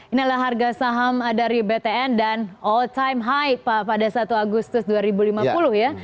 inilah harga saham dari btn dan all time high pak pada satu agustus dua ribu lima puluh ya